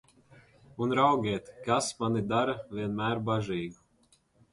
Un, raugiet, kas mani dara vienmēr bažīgu!